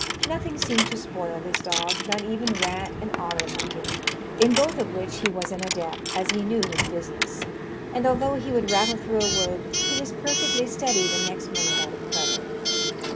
Nothing seemed to spoil this dog, not even rat and otter hunting, in both of which he was an adept, as he knew his business; and although he would rattle through a wood, he was perfectly steady the next minute out of cover.